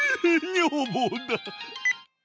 女房だ。